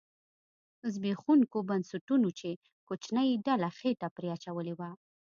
زبېښوونکو بنسټونو چې کوچنۍ ډلې خېټه پرې اچولې وه